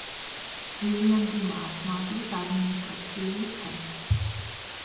ვილიანდიმაას მაზრის ადმინისტრაციული ცენტრი.